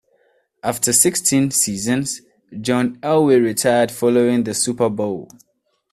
After sixteen seasons, John Elway retired following the Super Bowl.